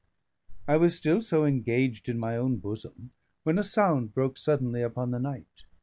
I was still so engaged in my own bosom, when a sound broke suddenly upon the night.